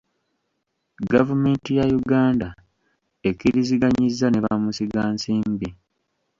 Gavumenti ya Uganda ekkiriziganyizza ne bamusigansimbi.